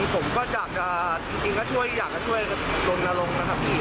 ผมก็จากจริงก็อยากช่วยโรนลงนะครับพี่